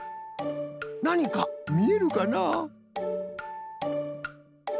なにかみえるかな？